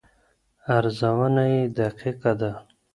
ارزونه یې دقیقه ده.